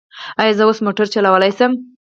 ایا زه اوس موټر چلولی شم؟